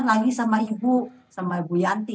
lagi sama ibu sama ibu yanti